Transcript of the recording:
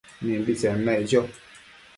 Mimbitsen naic cho